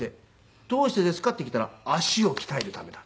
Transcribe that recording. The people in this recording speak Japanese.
「どうしてですか？」って聞いたら「足を鍛えるためだ」って。